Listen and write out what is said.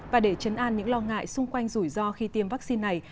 và để chấn an những lo ngại xung quanh rủi ro khi tiêm vaccine này